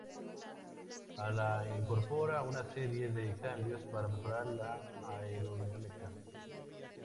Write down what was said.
El ala incorpora una serie de cambios para mejorar la aerodinámica.